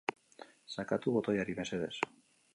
Sakatu botoiari mesedez.